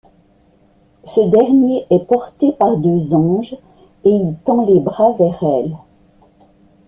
Ce dernier est porté par deux anges, et il tend les bras vers elle.